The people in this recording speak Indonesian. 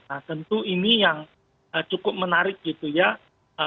nah tentu ini yang cukup menarik gitu ya